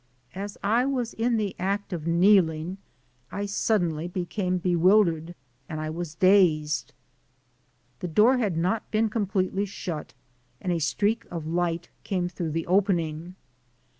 As I was in the act of kneeling, I suddenly became be wildered, and I was dazed. The door had not been completely shut and a streak of light came through the opening.